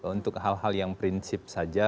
untuk hal hal yang prinsip saja